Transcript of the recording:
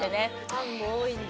ファンも多いんだ。